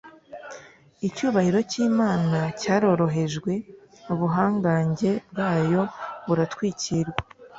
Icyubahiro cy'Imana cyarorohejwe, ubuhangange bwayo buratwikirwa